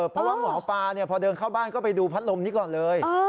เพราะว่าหมอปลาพอเดินเข้าบ้านก็ไปดูพัดลมนี้ก่อนเลย